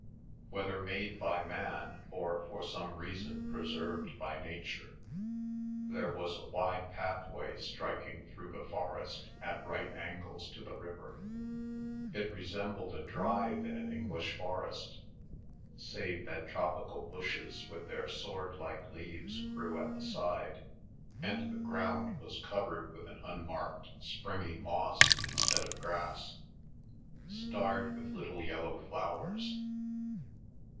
Whether made by man, or for some reason preserved by nature, there was a wide pathway striking through the forest at right angles to the river. It resembled a drive in an English forest, save that tropical bushes with their sword like leaves grew at the side, and the ground was covered with an unmarked springy moss instead of grass, starred with little yellow flowers.